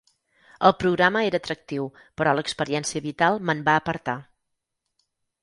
El programa era atractiu, però l'experiència vital me'n va apartar.